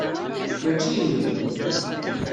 Mačči inem.